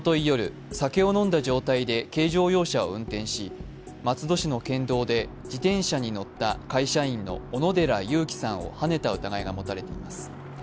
夜、酒を飲んだ状態で軽乗用車を運転し、松戸市の県道で自転車に乗った会社員の小野寺佑季さんをはねた疑いが持たれています。